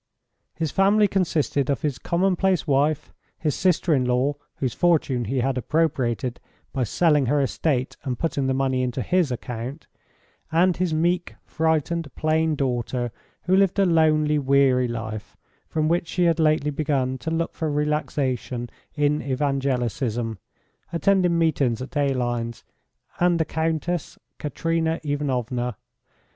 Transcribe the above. His family consisted of his commonplace wife, his sister in law, whose fortune he had appropriated by selling her estate and putting the money to his account, and his meek, frightened, plain daughter, who lived a lonely, weary life, from which she had lately begun to look for relaxation in evangelicism, attending meetings at Aline's, and the Countess Katerina Ivanovna.